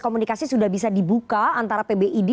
komunikasi sudah bisa dibuka antara pbid